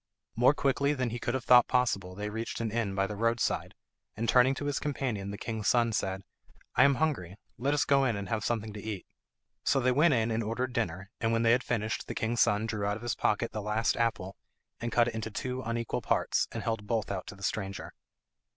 More quickly than he could have thought possible they reached an inn by the road side, and turning to his companion the king's son said, "I am hungry; let us go in and have something to eat." So they went in and ordered dinner, and when they had finished the king's son drew out of his pocket the last apple, and cut it into two unequal parts, and held both out to the stranger.